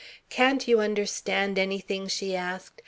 "Can't you understand anything?" she asked.